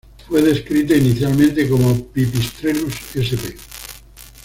Fue descrita inicialmente como "Pipistrellus sp".